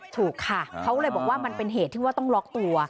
ถูกค่ะเขาเลยบอกว่ามันเป็นเหตุที่ว่าต้องล็อกตัว